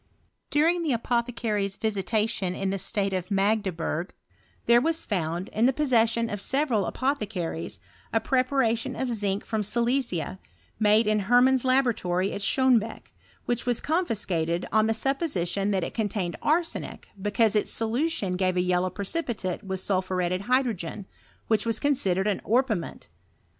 During; the apothecaries' visi tation in the state of Magdeburg, there was found, in the possession of several apothecaries, a prepct ration of zinc from Silesia, made in Hermann's la boratory at Schonebeck, which was confiscated ob the supposition that it contained arsenic, because iti solution gave a yellow precipitate with sulphuretted hydrogen, which was considered as orpiment.